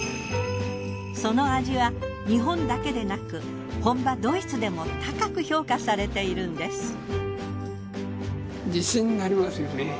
その味は日本だけでなく本場ドイツでも高く評価されているんです。